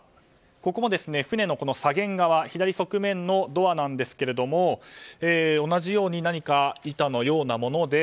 ここも船の左舷側左側面のドアなんですけれども同じように何か板のようなもので